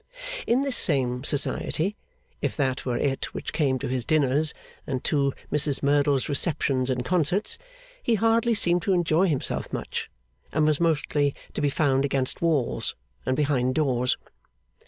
In this same Society (if that were it which came to his dinners, and to Mrs Merdle's receptions and concerts), he hardly seemed to enjoy himself much, and was mostly to be found against walls and behind doors.